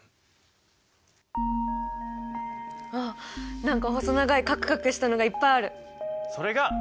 あっ何か細長いカクカクしたのがいっぱいある。